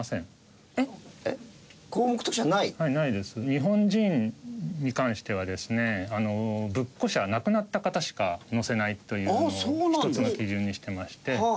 日本人に関してはですね物故者亡くなった方しか載せないというのを一つの基準にしていまして。